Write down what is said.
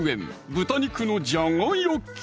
「豚肉のじゃが焼き」